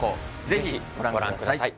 ぜひご覧ください